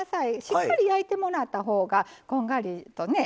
しっかり焼いてもらった方がこんがりとね